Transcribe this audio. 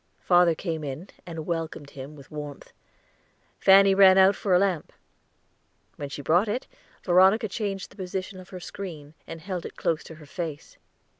Father came in, and welcomed him with warmth. Fanny ran out for a lamp; when she brought it, Veronica changed the position of her screen, and held it close to her face.